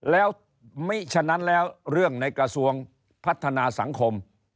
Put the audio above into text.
แล้วมิฉะนั้นแล้วเรื่องในกระทรวงพัฒนาสังคม